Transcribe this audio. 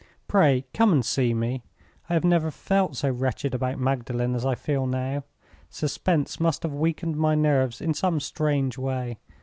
Pray come and see me! I have never felt so wretched about Magdalen as I feel now. Suspense must have weakened my nerves in some strange way.